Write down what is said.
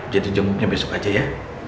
jadi jenguknya besok aja ya